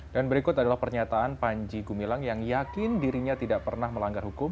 dan berikut adalah pernyataan panji gumilang yang yakin dirinya tidak pernah melanggar hukum